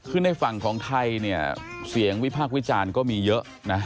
คือในฝั่งของไทยเนี่ยเสียงวิพากษ์วิจารณ์ก็มีเยอะนะ